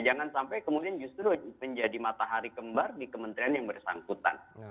jangan sampai kemudian justru menjadi matahari kembar di kementerian yang bersangkutan